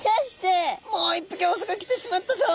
もう一匹オスが来てしまったぞ。